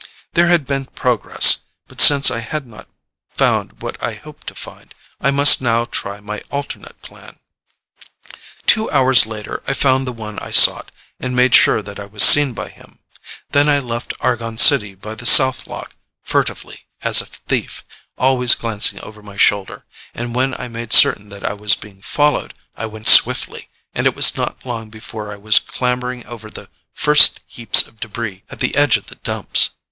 There had been progress, but since I had not found what I hoped to find, I must now try my alternate plan. Two hours later I found the one I sought, and made sure that I was seen by him. Then I left Argon City by the South lock, furtively, as a thief, always glancing over my shoulder, and when I made certain that I was being followed, I went swiftly, and it was not long before I was clambering over the first heaps of debris at the edge of the Dumps.